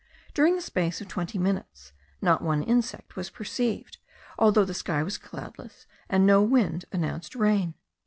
During the space of twenty minutes, not one insect was perceived, although the sky was cloudless, and no wind announced rain.